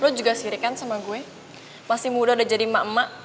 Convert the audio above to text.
lo juga sirek kan sama gue masih muda udah jadi emak emak